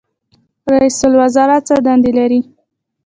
رئیس الوزرا څه دندې لري؟